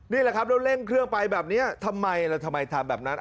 นี่แหละครับเราเร่งเครื่องไปแบบนี้ทำไมทำแบบนั้น